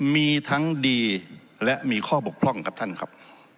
มีทั้งดีและมีข้อบกพร่องครับท่านครับ